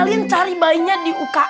baru kalian bertiga